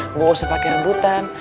nggak usah pakai rebutan